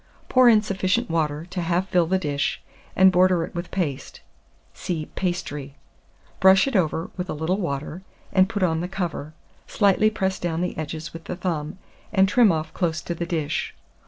Pour in sufficient water to half fill the dish, and border it with paste (see Pastry); brush it over with a little water, and put on the cover; slightly press down the edges with the thumb, and trim off close to the dish.